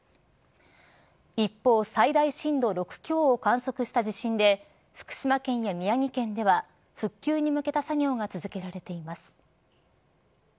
一方最大震度６強を観測した地震で福島県や宮城県では復旧に向けた作業が続けられています。